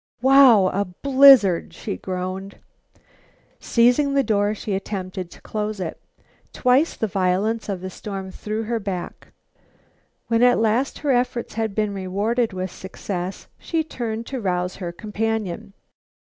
"Wow! A blizzard!" she groaned. Seizing the door, she attempted to close it. Twice the violence of the storm threw her back. When at last her efforts had been rewarded with success, she turned to rouse her companion.